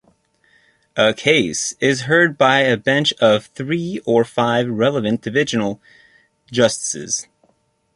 A case is heard by a bench of three or five relevant divisional justices.